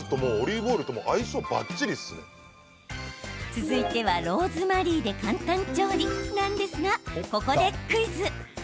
続いてはローズマリーで簡単調理なんですが、ここでクイズ。